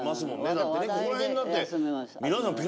だってここら辺だって皆さん。